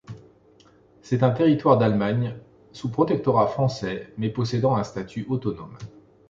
C‘est un territoire d'Allemagne sous protectorat français mais possédant un statut autonome.